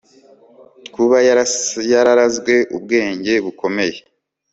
Kuba yararazwe ubwenge bukomeye